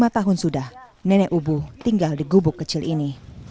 lima tahun sudah nenek ubuh tinggal di gubuk kecil ini